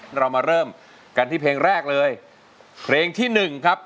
เรามาเริ่มกันที่เพลงแรกเลยเพลงที่หนึ่งครับ